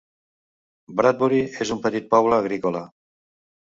Bradbury és un petit poble agrícola.